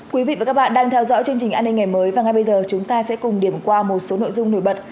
quý vị và các bạn đang theo dõi chương trình an ninh ngày mới và ngay bây giờ chúng ta sẽ cùng điểm qua một số nội dung nổi bật